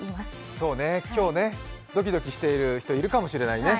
そうね、今日ね、ドキドキしてる人、いるかもしれないね。